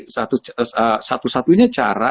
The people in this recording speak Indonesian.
satu satu satunya cara